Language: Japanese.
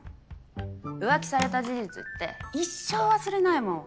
浮気された事実って一生忘れないもん。